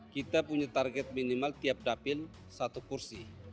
kita punya target minimal tiap dapil satu kursi